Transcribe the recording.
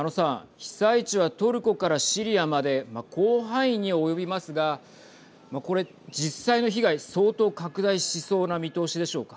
被災地はトルコからシリアまで広範囲に及びますがこれ、実際の被害相当、拡大しそうな見通しでしょうか。